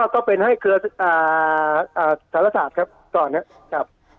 ก็เป็นให้เครือสารศาสตร์ครับก่อนนะครับ